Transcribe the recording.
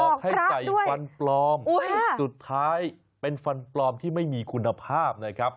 ให้ใส่ฟันปลอมสุดท้ายเป็นฟันปลอมที่ไม่มีคุณภาพนะครับ